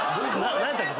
何やったっけ？